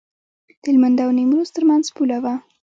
د هلمند او نیمروز ترمنځ پوله وه.